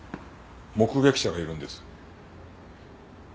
目撃者がいるんです。